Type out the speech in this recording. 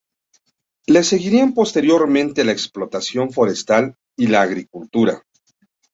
Le seguirían posteriormente la explotación forestal y la agricultura.